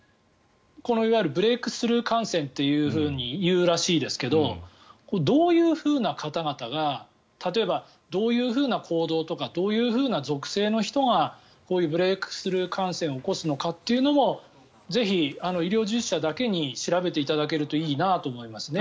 いわゆるブレークスルー感染というふうにいうらしいですけどこれはどういう方々が例えばどういう行動とかどういうふうな属性の人がこういうブレークスルー感染を起こすのかもぜひ、医療従事者だけに調べていただけたらいいなと思いますね。